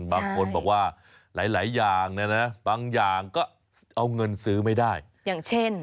บางคนบอกว่าหลายอย่างเนี่ยนะบางอย่างก็เอาเงินซื้อไม่ได้อย่างเช่น